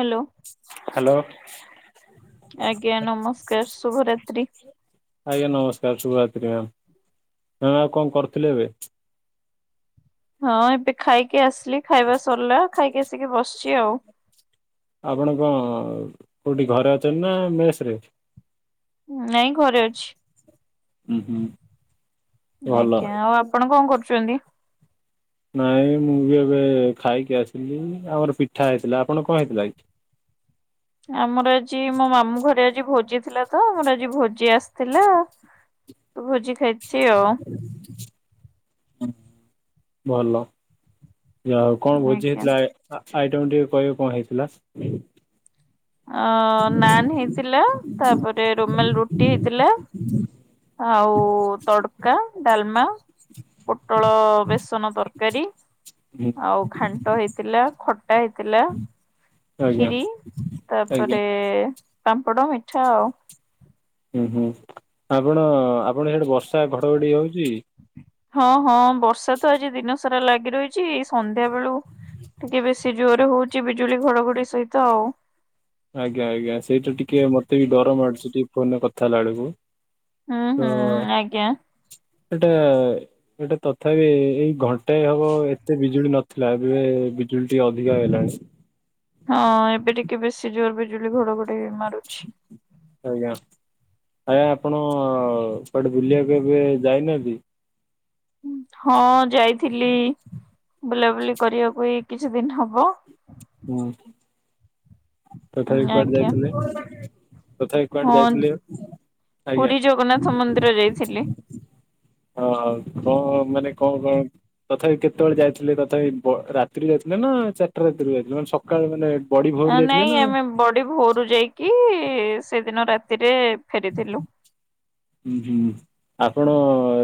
Hello. Hello ଆଜ୍ଞା ନମସ୍କାର ଶୁଭରାତ୍ରି। ଆଜ୍ଞା ନମସ୍କାର ଶୁଭରାତ୍ରୀ ମ୍ୟାମ ମ୍ୟାମ ଆଉ କଣ କରୁଥିଲେ ଏବେ? ହଁ ଏବେ ଖାଇକି ଆସିଲି ଖାଇବା ସରିଲା ଖାଇକି ଆସିକି ବସଚି ଆଉ। ଆପଣ କଣ କୋଉଠି ଘରେ ଅଛନ୍ତି ନା ମେସ ରେ? ନାଇଁ ଘରେ ଅଛି। ଉଁ ହୁଁ। ଭଲ ଆଜ୍ଞା ଆଉ ଆପଣ କଣ କରୁଚନ୍ତି? ନାଇଁ ମୁଁ ବି ଏବେ ଖାଇକି ଆସିଲି ଆମର ପିଠା ହେଇଥିଲା ଆପଣ କଣ ହେଇଥିଲା କି? ଆମର ଆଜି ମୋ ମାମୁଁ ଘରେ ଆଜି ଭୋଜି ଥିଲା ତ ମୋର ଆଜି ଭୋଜି ଆସିଥିଲା। ତ ଭୋଜି ଖାଇଚି ଆଉ। ଉଁ ଭଲ ଯାହାହଉ କଣ ଭୋଜି ଆଜ୍ଞା। ହେଇଥିଲା ଏ ଆ ଆଇଟମ ଟିକେ କହିବେ କଣ ହେଇଥିଲା? ଅଁ ନାନ୍ ହେଇଥିଲା ତାପରେ ରୋମାଲ ରୁଟି ହେଇଥିଲା। ଆଉ ତଡକା ଡ଼ାଲମା ପୋଟଳ ବେସନ ତରକାରୀ। ଆଉ ଘାଣ୍ଟ ହେଇଥିଲା ଖଟା ହେଇଥିଲା ଆଜ୍ଞା ଖିରି ଆଜ୍ଞା ତାପରେ ପାମ୍ପଡ ମିଠା ଆଉ। ଉଁ ହୁଁ ଆପଣ ଆପଣ ହେଆଡେ ବର୍ଷା ଘଡଘଡି ହଉଚି? ହଁ ହଁ ବର୍ଷା ତ ଆଜି ଦିନ ସାରା ଲାଗି ରହିଚି ସନ୍ଧ୍ୟା ବେଳୁ ଟିକେ ବେଶୀ ଜୋରେ ହଉଚି ବିଜୁଳି ଘଡଘଡି ସହିତ ଆଉ। ଆଜ୍ଞା ଆଜ୍ଞା ସେଇଟୁ ଟିକେ ମୋତେ ବି ଡର ମାଡୁଚି ଟିକେ ଫୋନ୍ ରେ କଥାହେଲା ବେଳକୁ। ହୁଁ ହୁଁ ହଁ। ଆଜ୍ଞା ଏଟା ଏଟା ତଥାବି ଏଇ ଏଇ ଘଣ୍ଟାଏ ହବ ଏତେ ବିଜୁଳି ନ ଥିଲା ଏବେ ବିଜୁଳି ଟିକେ ଅଧିକା ହେଲାଣି। ହଁ ଏବେ ଟିକେ ବେଶୀ ଜୋରେ ବିଜୁଳି ଘଡଘଡି ମାରୁଛି। ଆଜ୍ଞା ଆଜ୍ଞା ଆପଣ କୁଆଡେ ବୁଲିବାକୁ ଏବେ ଯାଇ ନାହାଁନ୍ତି? ଉଁ ହଁ ଯାଇଥିଲି ବୁଲାବୁଲି କରିବାକୁ ଏଇ କିଛି ଦିନି ହବ। ଉଁ ଆଁ କି? ଉଁ ତଥାବି କୁଆଡେ ଆଜ୍ଞା ଯାଇଥିଲେ ତଥାବି ହଁ କୁଆଡେ ଯାଇଥିଲେ? ଆଜ୍ଞା। ପୁରୀ ଜଗନ୍ନାଥ ମନ୍ଦିର ଯାଇଥିଲି। ଅ କ ମାନେ କଣ ପାଇଁ? ତଥାବି କେତେବେଳେ ଯାଇଥିଲେ ତଥାପି ବ ରାତିରୁ ଯାଇଥିଲେ ନାଁ ଚାରିଟା ରାତିରୁ ଯାଇଥିଲେ ମାନେ ସକାଳେ ମାନେ। ବଡି ଭୋରୁ ଯାଇ ନାଇଁ ଆମେ ବଡି ଭୋରୁ ଯାଇକି ସେଦିନ ରାତିରେ ଫେରିଥିଲୁ। ଉଁ ହୁଁ। ଆପଣ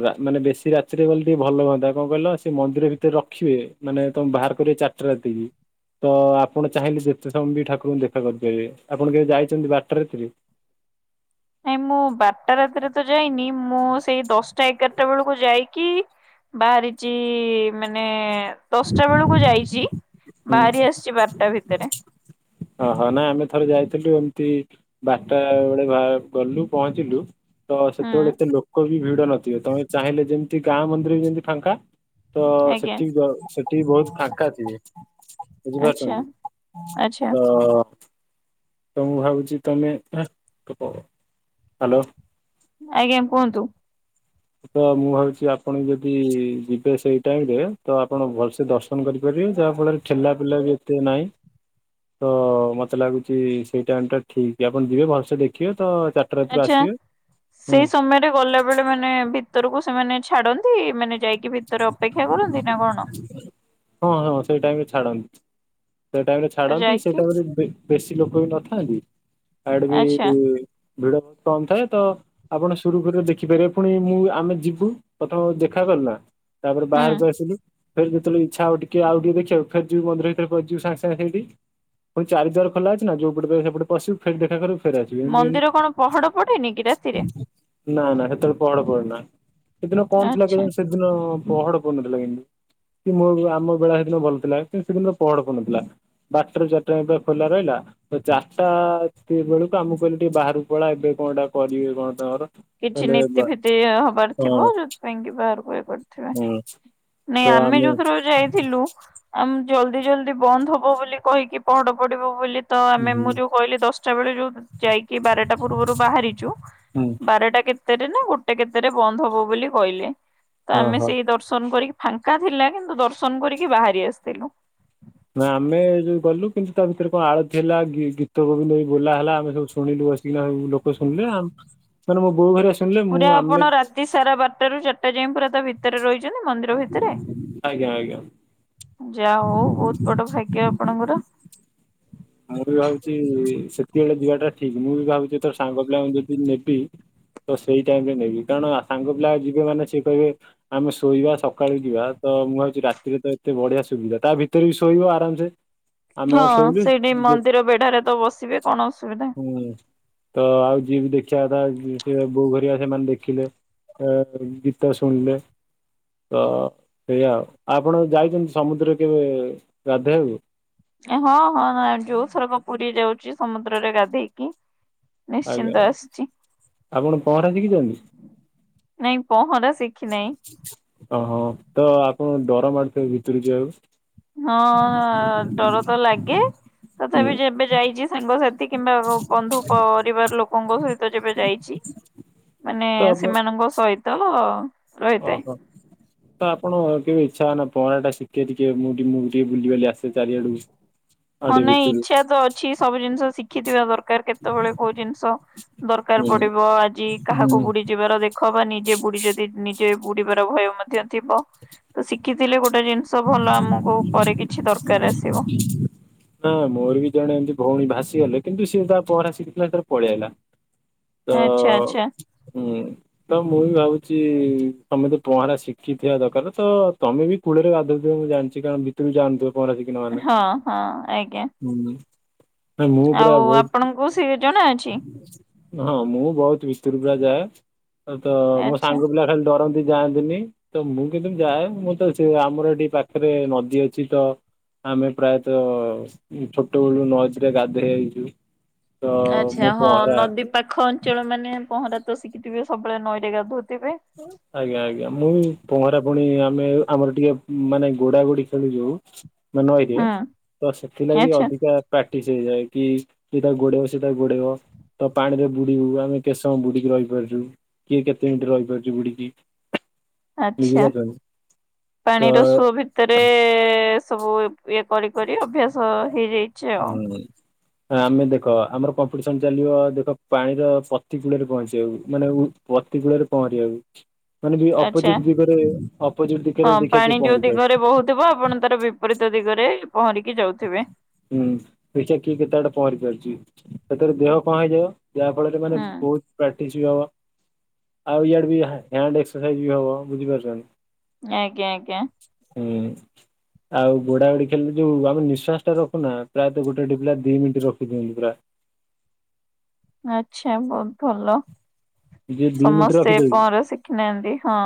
ରା ମାନେ ବେଶୀ ରାତିରେ ଗଲେ ଟିକେ ଭଲ ହୁଅନ୍ତା କଣ କହିଲ ସେ ମନ୍ଦିର ଭିତରେ ରଖିବେ। ମାନେ ତମେ ଭାଆର କରିବ ଚାରିଟା ରାତିରୁ। ତ ଆପଣ ଚାହିଁଲେ ଯେତେ ସମୟ ବି ଠାକୁରଙ୍କୁ ଦେଖା କରିପାରିବେ ଆପଣ କେବେ ଯାଇଛନ୍ତି ବାରଟା ରାତି ରେ? ନାଇଁ ମୁଁ ବାରଟା ରାତିରେ ତ ଯାଇନି ମୁଁ ସେଇ ଦଶଟା ଏଗାରଟା ବେଳକୁ ଯାଇକି ବାହାରିଚି ମାନେ ଦଶଟା ବେଳକୁ ଯାଇଚି ହୁଁ ବାହାରି ଆସିଛି ବାରଟା ଭିତେରେ। ଓହୋ ନାଇଁ ଆମେ ଥରେ ଯାଇଥିଲୁ ଏମିତି ବାରଟା ବେଳେ ଭା ଗଲୁ ପହଁଞ୍ଚିଲୁ ତ ହୁଁ ସେତେବେଳେ ଏତେ ଲୋକ ବି ଭିଡ ନଥିବେ ତମେ ଚାହିଁଲେ ଯେମିତି ଗାଁ ମନ୍ଦିର ଯେମିତି ଫାଙ୍କା। ତ ଆଜ୍ଞା ସେଠି ବ ସେଠି ବହୁତ୍ ଫାଙ୍କା ଥିବେ। ଆଚ୍ଛା ବୁଝିପାରୁଛନ୍ତି ଆଚ୍ଛା। ତ ତ ମୁଁ ଭାବୁଛି ତମେ ହ ତୁକ ହାଲୋ। ଆଜ୍ଞା କୁହନ୍ତୁ। ତ ମୁଁ ଭାବୁଛି ଆପଣ ଯଦି ଯିବେ ସେଇ ଟାଇମରେ ତ ଆପଣ ଭଲସେ ଦଶ ଦର୍ଶନ କରିପାରିବେ ଯାହା ଫଳରେ ଠେଲା ପେଲା ବି ଏତେ ନାହିଁ। ତ ମତେ ଲାଗୁଛି ସେଇ ଟାଇମ ଟା ଠିକ ଆପଣ ଯିବେ ଭଲସେ ଦେଖିବେ ତ ଚା ଆଚ୍ଛା ସେଇ ସମୟରେ ଗଲେ ସେତେବେଳେ ମାନେ ଭିତରକୁ ସେମାନେ ଛାଡନ୍ତି ମାନେ ଯାଇକି ଭିତରେ ଅପେକ୍ଷା କରନ୍ତି ନା କଣ? ହଁ ହଁ ସେଇ ଟାଇମ ରେ ଛାଡନ୍ତି ସେ ଟାଇମ ରେ ତ ଛାଡନ୍ତି ସେଇ ଯାଇକି ଟାଇମ ରେ ବେ ବେଶୀ ଲୋକ ବି ନଥାନ୍ତି ଆଡେ ବି ଆଚ୍ଛା ଭିଡ ବହୁତ କମ ଥାଏ ତ ଆପଣ ସୁରୁଖୁରୁରେ ଦେଖିପାରିବେ ପୁଣି ମୁଁ ଆମେ ଯିବୁ ପ୍ରଥମ ଦେଖା କଲ ନା ତାପରେ ହୁଁ। ବାହାରକୁ ଆସିଲି। ଫେରେ ଯେତେବେଳେ ଇଚ୍ଛା ହବ ଟିକେ ଆଉ ଟିକ ଦେଖିବାକୁ ଫେରେ ଯିବୁ ମନ୍ଦିର ଭିତରେ ପଶିଯିବୁ ସାଙ୍ଗେ ସାଙ୍ଗ ସେଇଠି। ପୁଣି ଚାରୀଦ୍ୱାର ଖୋଲା ଅଛି ନା ଯୋଉ ପଟେ ପାଇବୁ ସେପଟ ପଶିବୁ ଫେରେ ଦେଖା କରିବୁ ଫେରେ ଆସିବୁ ଏମିତି ମନ୍ଦିର କଣ ପହଡ ପଡେନି କି ରାତିରେ ଏମିତି। ନା ନା ସେତେବେଳେ ପହଡ ପଡେନା ସେଦିନ କଣ ଥିଲା ଆଚ୍ଛା କେଜାଣି ସେଦିନ ପହଡ ପଡିନଥିଲା କିନ୍ତୁ। କି ମୋ ଆମ ବେଳା ସେଦିନ ଭଲ ଥିଲା କିନ୍ତୁ ସେଦିନ ତ ପହଡ ପଡିନଥିଲା। ବାରଟାରୁ ଚାରିଟା ଯାଏଁ ପୁରା ଖୋଲା ରହିଲା। ତ ଚାରିଟା ବେଳକୁ ଆମକୁ କହିଲେ ଟିକେ ବାହାରକୁ ପଳା ଏବେ କଣ ଏଟା କରିବେ କଣ ତାଙ୍କର। କିଛି ହେଲେ ନୀତି ବା ଫିତି ହବାର ହଁ ଥିବ ଯୋଉଥିପାଇଁ କି ବାହାରକୁ ଇଏ କ ବେ ହଁ ନାଇଁ ଆମେ ଯୋଉଥରକ ଯାଇଥିଲୁ। ଆମେ ଜଲଦି ଜଲଦି ବନ୍ଦ ହବ ବୋଲି କହିକି ପହଡ ପଡିବ ବୋଲି ତ ହୁଁ ଆମେ ହୁଁ ମୁଁ ଯୋଉ କହିଲି ଦଶଟା ବେଳେ ଯୋଉ ଯାଇକି ବାରଟା ପୂର୍ବରୁ ବାହାରିଛୁ ହୁଁ। ବାରଟା କେତେରେ ନା ଗୋଟେ କେତେରେ ବନ୍ଦ ହବ ବୋଲି କହିଲେ ତ ହଁ ଆମେ ହଁ। ସେଇ ଦର୍ଶନ କରି ଫାଙ୍କା ଥିଲା କିନ୍ତୁ ଦର୍ଶନ କରିକି ବାହାରି ଆସିଥିଲୁ। ନା ଆମେ ଏଇ ଯଉ ଗଲୁ କିନ୍ତୁ ତା ଭିତରେ କଣ ଆଳତି ହେଲା ଗି-ଗୀତ ଗୋବିନ୍ଦ ବି ବୋଲା ହେଲା ଆମେ ସବୁ ଶୁଣିଲୁ ବ ପିଲା ଲୋକ ଶୁଣିଲେ ଆମ ମାନେ ମୋ ବୋଉ ଘରିକା ସ ପୁରା ଆପଣ ରାତି ସାରା ବାରଟାରୁ ଚା ରିଟା ଯାଏଁ ପୁରା ତା ଭିତରେ ରହିଛନ୍ତି ମନ୍ଦିର ଭିତରେ? ଆଜ୍ଞା ଆଜ୍ଞା ଯା ହଉ ବହୁତ ବଡ ଭାଗ୍ୟ ଆପଣଙ୍କର। ମୁଁ ବି ଭାବୁଛି ସେତକି ବେଳେ ଯିବାଟା ଠିକ ମୁଁ ବି ଭାବୁଛି ଏଥର ସାଙ୍ଗ ପିଲାଙ୍କୁ ଯଦି ନେବି ତ ସେଇ ଟାଇମରେ ନେବି କାରଣ ସାଙ୍ଗ ପିଲା ଯିବେ ମାନେ ସିଏ କହିବେ ଆମେ ଶୋଇବା ସକାଳକୁ ଯିବା ତ ମୁଁ ଭାବୁଛି ରାତିରେ ତ ଏତେ ବଢିଆ ସୁବିଧା ତା ଭିତରେ ବି ଶୋଇବ ଆରାମସେ। ଆମେ ଆଉ ଶୋଇ। [inaudible] ନାଇଁ ମନ୍ଦିର ବେଢାରେ ତ ବସିବେ କଣ ଅସୁବିଧା। ହୁଁ, ତ ଆଉ ଯିଏ ବି ଦେଖିବା କଥା ସେ ବୋଉ ଘରିକା ସେମାନେ ଦେଖିଲେ। ଏ ଗୀତ ଶୁଣିଲେ। ତ ଏଇଆ ଆଉ। ଆପଣ ଯାଇଛନ୍ତି ସମୁଦ୍ରରେ କେବେ ଗାଧେଇ ବାକୁ? ହଁ, ହଁ, ଯୋଉ ଥରକ ପୁରୀ ଯାଉଛି ସମୁଦ୍ରରେ ଗାଧେଇକି ଆଜ୍ଞା ନିଶ୍ଚିନ୍ତ ଆଜ୍ଞା ଆସିଛି। ଆପଣ ପହଁରା ଶିଖିଛନ୍ତି? ନାଇଁ ପହଁରା ଶିଖି ନେଇଁ। ଓହୋ ତ ଆପଣଙ୍କୁ ଡର ମାଡୁଥିବ ଭିତୁରୁ ଯିବାକୁ। ହଁ, ଡର ତ ଲାଗେ। ହୁଁ, ତଥାପି ଯେବେ ଯାଇଛି ସାଙ୍ଗସାଥି କିମ୍ବା ବନ୍ଧୁ ପରିବାର ଲୋକଙ୍କ ସହିତ ଯେବେ ଯାଇଛି ମାନେ ତ ଆପଣ ସେମାନଙ୍କ ସହିତ ରହିଥାଏ। ଓହୋ। ତ ଆପଣ କେବେ ଇଛା ହୁଏ ନା ପହଁରା ଟା ଶିଖେ ଟିକେ ମୁଁ ମୁଁ ଟିକେ ବୁଲିବାଲି ଆସେ ଚାରିଆଡୁ [inaudible] ହଁ, ନାଇଁ ଇଛା ତ ଅଛି ସବୁ ଜିନିଷ ଶିଖିଥିବା ଦରକାର କେତେବେଳେ କୋଉ ଜିନିଷ ଦରକାର ହୁଁ। ପଡିବ ଆଜି କାହାକୁ ହୁଁ। ବୁଡି ଯିବାର ଦେଖ ଖ ବା ନିଜେ ବୁଡି ଯଦି ନିଜେ ବୁଡିବାର ଭୟ ମଧ୍ୟ ଥିବ। ତ ଶିଖିଥିଲେ ଗୋଟେ ଜିନିଷ ଭଲ ଆମକୁ ପରେ କିଛି ଦରକାର ଆସିବ। ତ ମୋର ବି ଜଣେ ଏମିତି ଭଉଣୀ ଭାସିଗଲେ କିନ୍ତୁ ସିଏ ତା ପହିଁରା ସିଖି ଥିଲା ତାର ପଳେଇ ଆଈଲା। ତ ଆଚ୍ଛା ଆଚ୍ଛା ହୁଁ। ତ ମୁଁ ବି ଭାବୁଛି ତମେ ତ ପହଁରା ଶିଖିଥିବା ଦରକାର ତମେ ବି କୂଳରେ ଭା ମୁଁ ଜଣିଛି କାରଣ ଭିତରୁ କୁ ଯାଇ ନଥିବେ ପହଁରା ଶିଖ ହଁ ହଁ ଆଜ୍ଞା। ହୁଁ ମୁଁ ପୁରା ଆଉ ଆପଣଙ୍କୁ ସେ ଜଣା ଅଛି? ବହୁତ ହଁ ମୁଁ ବହୁତ ଭିତରକୁ ପୁରା ଯାଏ ତ ମୋ ଆଚ୍ଛା ସାଙ୍ଗ ପିଲା ଖାଲି ଡରନ୍ତି ଯାଆନ୍ତି ନି, ତ ମୁଁ କିନ୍ତୁ ଯାଏ ମୁଁ ତ ସେ ଆମର ଏ ଏଇ ପାଖରେ ନଦୀ ଅଛି ତ। ଆମେ ପ୍ରାୟତଃ ଛୋଟ ବେଳୁ ନଜରେ ଗାଧେଇ ଆଇଚୁ। ତ ଆଚ୍ଛା ମୁଁ ହଁ ପହଁରା ନଦୀ ପାଖ ଅଞ୍ଚଳ ମାନେ ପହଁରା ତ ଶିଖିଥିବେ ସବୁବେଳେ ନଈରେ ଗାଧଉ ଥିବେ। ଆଜ୍ଞା ଆଜ୍ଞା ମୁଁ ବି ପହଁରା ପୁଣି ଆମେ ଆମର ଟିକେ ମାନେ ଗୋଡା ଗୋଡି ଖେଳୁ ଯୋଉ ମା ନଈରେ ହୁଁ ତ ସେଥିଲାଗି ଆଚ୍ଛା ଅଧିକା ପ୍ରାକ୍ଟିସ୍ ହେଇଯାଏ କି ଇ ତାକୁ ଗୋଡେଇବ ସିଏ ତାକୁ ଗୋଡେଇବ। ତ ପାଣି ରେ ବୁଡିବୁ ଆମେ କେତେ ସମ ବୁଡିକି ରହି ପାରୁଛୁ କିଏ କେତେ ମିନିଟ୍ ରହି ପାରୁଛି। ବୁଡ଼ିିକି। ଆଚ୍ଛା ତ ପାଣି ର ସୁଅ ଭିତରେ ସବୁ ଇଏ କରି କରି ଅଭ୍ୟାସ ହେଇଯାଇଛି ଆଉ। ହୁଁ। ଆମେ ଦେଖ ଆମର କମ୍ପିଟିସନ ଚାଲିବ ଯୋଉଟା ପାଣିର ପତି କୂଳରେ ପହଞ୍ଚିବାକୁ। ମାନେ ଉଁ ପତିକୂଳରେ ପହଁରି ବାକୁ। ମାନେ ବି ଆଚ୍ଛା। ଅପୋଜିଟ ଦିଗରେ ଅପୋଜିଟ ଦିଗରେ ଦେଖିବା କି ପହଁରି ପାରୁଛି? କହୁଥିବ ଆପଣ ତାର ବିପରୀତ ଦିଗରେ ପହଁରିକି ଯାଉଥିବେ। ହୁଁ, ଦେଖିବା କିଏ କେତେ ବାଟ ପହଁରି ପାରୁଛି? ସେଥିର ଦେହ କଣ ହେଇଯିବ। ଯାହା ଫଳରେ ମାନେ ହୁଁ ବହୁତ ପ୍ରାକ୍ଟିସ୍ ବି ହବ ଆଉ ଇଆଡେ ହ୍ୟାଣ୍ଡ ଏକ୍ସର୍ ସାଇଜ ବି ହବ ବୁଝିପାରୁଛନ୍ତି। ଆଜ୍ଞା ଆଜ୍ଞା। ହୁଁ, ଆଉ ଗୋଡା ଗୋଡି ଖେଳି ଲୁ ଯୋଉ ଆ ଯୋଉ ନିଃଶ୍ୱାସ ଟା ରଖୁନା ପ୍ରାୟତ ଗୋଟେ ଗୋଟେ ପିଲା ଦି ମିନିଟ ରଖି ଦିଅନ୍ତି ପୁରା। ଆଚ୍ଛା, ବହୁତ ଭଲ ଯିଏ ଦି ମିନିଟ ସମସ୍ତେ ରଖିଦଉଛି ପହଁରା ଶିଖି ନାହାନ୍ତି ହଁ।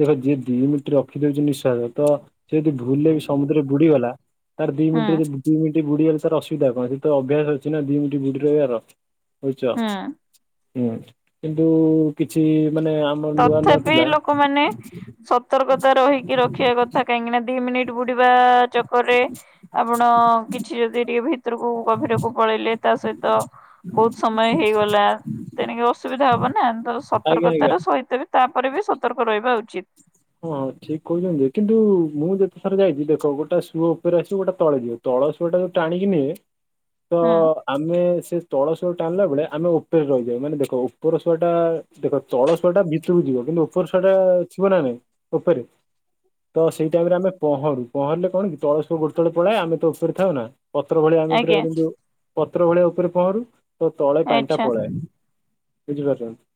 ଦେଖ ଯିଏ ଦି ମିନିଟ୍ ରଖିଦଉଛି ନିଃଶ୍ୱାସ ତ ସେ ଦି ଭୁଲ୍ ରେ ବି ସମୁଦ୍ର ବୁଡିଗଲା ତାର ଦି ହୁଁ ମିନିଟରେ ଯ ଦି ମିନିଟ୍ ବୁଡିଗଲେ ତାର ଅସବିଧା କଣ ସେ ତ ଅଭ୍ୟାସ ଅଛି ନା ଦିଇ ମିନିଟ୍ ବୁଡି ରହିବାର। ବୁଝଛ ହୁଁ। ହୁଁ କିନ୍ତୁ କିଛି ମାନେ ନ ନୂଆ ନୂଆ ଥିଲା। କୁମାନେ ସତର୍କତା ରହିକି ରଖିବା କଥା କାହିଁକି ନା ଦି ମିନିଟ ବୁଡିବା ଚକରରେ ଆପଣ କିଛି ଯଦି ଟିକେ ଭିତରକୁ ଗଭୀରକୁ ପଳେଇଲେ ତା ସହିତ ବହୁତ ସମୟ ହେଇଗଲା ତେଣକି ଅସୁବିଧା ହବନା। ତ ଆଜ୍ଞା ଆଜ୍ଞା। ସତର୍କତା ର ସହିତ ତେବେ ତାପରେ ବି ସତର୍କ ରହିବା ଉଚିତ୍। ହଁ ହଁ ଠିକ କହୁଛନ୍ତି କିନ୍ତୁ ମୁଁ ଯେତେଥର ଯାଇଛି ଦେଖ ଗୋଟେ ସୁଅ ଉପରେ ଆସିବ ଗୋଟେ ତଳେ ଯିବ। ତଳସୁଆ ଟାକୁ ଟାଣିକି ନିଏ। ତ ହୁଁ ଆମେ ସେ ତଳସୁଆ ଟାଣିଲା ବେଳେ ଆମେ ଉପରେ ରହିଯାଉ ମାନେ ଦେଖ ଉପର ସୁୁଆ ଟା ଦେଖ ତଳସୁଆ ଟା ଭିତରକୁ ଯିବ। କିନ୍ତୁ ଉପର ସୁଆଟା ଥିବ ନା ନାଇଁ ଉପରେ। ତ ସେଇ ଟାଇମ ରେ ଆମେ ପହଁରୁ ପହଁରିଲେ କଣ କି ତଳ ସୁଆଟା ଗୋଡ ତଳେ ପଳାଏ ଆମେ ତ ଉପରେ ଥାଉ ନା। ପତ୍ର ଭଳିଆ ଆମେ ପୁରା ଆଜ୍ଞା ଆମେ ଯୋଉ ପତ୍ର ଭଳିଆ ଉପରେ ପହଁରୁ। ତ ତଳେ ପାଣି ଟା ଆଚ୍ଛା। ପଳାଏ ବୁଝିପାରୁଛନ୍ତି?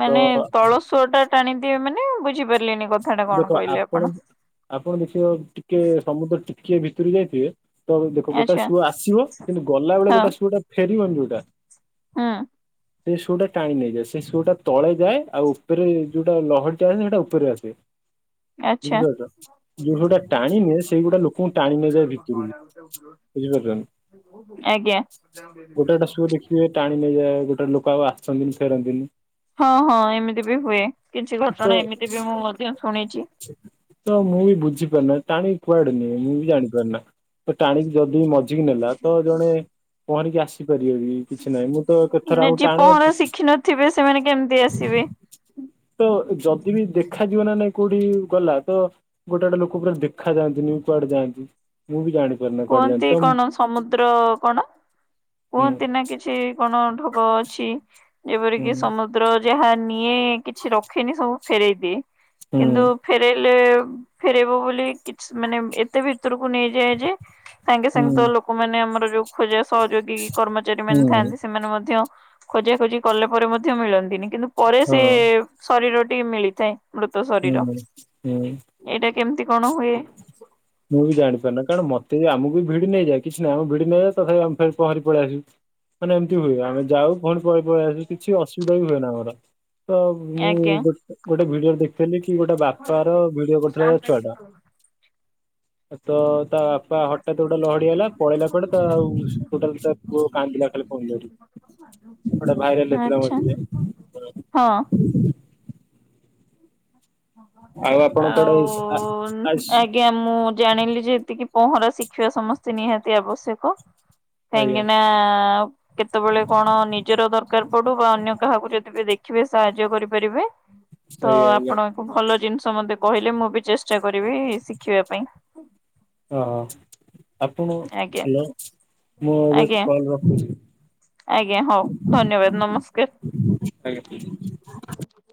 ମାନେ ତ ତଳସୁଆଟା ଟାଣିଦିଏ ମାନେ ବୁଝିପାରିଲିନି କଥା ଟା କଣ କହିଲେ ଆପଣ? ଆପଣ ଦେଖିବ ଟିକେ ସମୁଦ୍ର ଟିକଏ ଭିତରୁ ଯାଇଥିବେ। ତ ଦେଖ ଗୋଟେ ଆଚ୍ଛା ଶୁଅ ଆସିବ କିନ୍ତୁ ଗଲା ବେଳେ ଗୋଟେ ସୁଅଟା ଫେରିବନି ଯୋଉଟା। ହଁ। ସେ ସୁଅଟା ଟାଣି ନେଇଯାଏ। ସେ ସୁ ଟା ତଳେ ଯାଏ ଆଉ ଉପରେ ଯୋଉଟା ଲହରିଟା ଆସେ ସେଇଟା ଉପରେ ଆସେ। ଆଚ୍ଛା ବୁଝିପାରୁଛ ଯୋଉ ସୁଅଟା ଟାଣି ନିଏ ସେଇଗୁଟା ଲୋକଙ୍କୁ ଟାଣି ନେଇଯାଏ ଭିତରକୁ। ବୁଝିପାରୁଛନ୍ତି। ଆଜ୍ଞା। ସବୁ ଦେଖିବେ ଟାଣି ନେଇଯାଏ ଗୋଟେ ଲୋକ ଆଉ ଆସନ୍ତିନି ଫେରନ୍ତିନି। ହଁ ହଁ ଏମିତି ବି ହୁଏ କିଛି ଘଟଣା ଏମିତି ବି ତ ମୁଁ ମଧ୍ୟ ଶୁଣିଛି। ତ ମୁଁ ବି ବୁଝିପାରୁନା ଟାଣିକି କୁଆଡେନି ମୁଁ ବି ଜାଣିପାରୁନା। ତ ଟାଣିକି ଯଦି ମଝିକି ନେଲା ତ ଜଣେ ପହଁରିକି ଆସ ଡରିବନି କିଛି ନାହିଁ ମୁଁ ତ ମାନେ କେଥାର କୁ ଯିଏ ଟାଣେ ପହଁରା ଶିଖିନଥିବେ ସେମାନେ କେମିତି ଆସିବେ? ତ ଯଦି ବିି ଦେଖାଯିବ ନା ନାଇଁ କୋଉଠି ଗଲା ତ ଗୋଟେ ଗଡେ ଲୋକ ପୁରା ଦେଖା ଯାଆନ୍ତିନି କୁଆଡେ ଯାଆନ୍ତି। ମୁଁ ବି ଜାଣିପାରୁନି କୁଆଡେ କୁହନ୍ତି ଯାନ୍ତି ତ କଣ ସମୁଦ୍ର କଣ କୁହନ୍ତି ନା କିଛି କଣ ଠୋଗ ଅଛି ଯେପର ହୁଁ କିି ସମ ଦ୍ର ଯାହା ନିଏ କିଛି ରଖିନି ସବୁ ଫେରଇ ଦିଏ ହୁଁ କିନ୍ତୁ ଫେରାଇଲେ ଫେରେଇବ ବୋଲି କିଛି ମାନେ ଏତେ ଭିତରକୁ ନେଇଯାଏ ଯେ ସାଙ୍ଗେ ହୁଁ ସାଙ୍ଗେ ତ ଲୋକମାନେ ଆମର ଯୋଉ ଖୋଜିବା ସହଯୋଗୀ କର୍ମଚାରୀ ହୁଁ ହୁଁ ମାନେ ଥାନ୍ତି ସେମାନେ ମଧ୍ୟ ଖୋଜା ଖୋଜି କଲେ ପରେ ମଧ୍ୟ ମିଳନ୍ତିନି କିନ୍ତୁ ପରେ ସେ ହଁ ଶରୀରଟିିକ ମିଳିଥାଏ ମୃତ ଶରୀର ହୁଁ। ହୁଁ ଏଇଟା କେମିତି କଣ ହୁଏ। ମୁଁ ବି ଜାଣିପାରୁି କାରଣ ମତେ ବି ଆମକୁ ବି ଭିଡି ନେଇଯାଏ କିଛି ନୁହ ଭିଡି ନେଇଯାଏ ତଥାପି ଆମେ ପହଁରି ପଳେଇ ଆସିବୁ। ମାନେ ଏମିତି ହୁଏ ଆମେ ଯାଉ ପୁଣି ପହଁରି ପହଁରି ପଳେଇ ଆସୁ କିଛି ଅସୁବିଧା ବି ହୁଏ ନା ଆମର। ତ ମୁଁ ଆଜ୍ଞା ଗୋ ଗୋଟେ ଭିଡିଓ ଦେଖିଥିଲି କି ଗୋଟେ ବାପା ର ଭିଡିଓ କରୁଥିଲା ଛୁଆ ଟା। ତ ତା ବାପା ହଠାତ ଗୋଟେ ଲହଡିଆଇଲା ପଳେଇଲା କୁଆଡେ ତ ଆଉ [unintelligible] ପୁଅ କାନ୍ଦିଲା ଖାଲି ପହ [unintelligible] ଗୋଟେ ଭାଇରଲ ହେଇଥିଲା ଆଚ୍ଛା ମଝିରେ। ହଁ। ଆଉ ଆପଣ କୁଆଡେ ଆ ଆଉ, ଆସ୍ ଆଜ୍ଞା ମୁଁ ଜାଣିଲି ଯେ ଏତିକି ପହଁରା ଶିଖିବା ସମସ୍ତେ ନିହାତି ଆବଶ୍ୟକ। ଆଜ୍ଞା କାହିଁକିନା କେତେବେଳେ କଣ ନିଜର ଦରକାର ପଡୁ ବା ଅନ୍ୟ କାହାକୁ ଯଦି ବି ଦେଖିବେ ସାହାଯ୍ୟ କରିପାରିବେ। ତ ଆଜ୍ଞା ଆଜ୍ଞା ଆପଣଙ୍କୁ ଭଲ ଜିନିଷ ମତେ କହିଲେ ମୁଁ ବି ଚେଷ୍ଟା କରିବି ଶିଖିବା ପାଇଁ। ହଁ ଆପଣ ଆଜ୍ଞା। ହ୍ୟାଲୋ ମୁଁ ଏବେ ଆଜ୍ଞା କଲ୍ ରଖୁଛି। ଆଜ୍ଞା ହଉ ଧନ୍ୟବାଦ ନମସ୍କାର। [unintelligible]